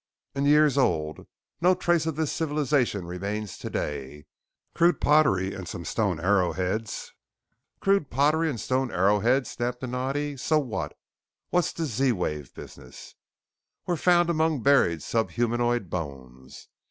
" and years old. No trace of this civilization remains today. Crude pottery and some stone arrowheads " "Crude pottery and stone arrowheads," snapped Donatti. "So what? What's this Z wave business?" " were found among buried sub humanoid bones.